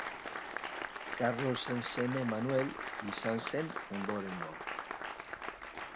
Karlosen seme Manuel izan zen ondorengoa.